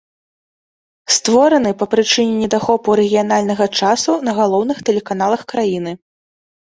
Створаны па прычыне недахопу рэгіянальнага часу на галоўных тэлеканалах краіны.